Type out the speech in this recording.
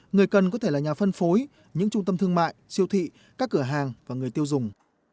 người cần có thể là nhà phân phối những trung tâm thương mại siêu thị các cửa hàng và người tiêu dùng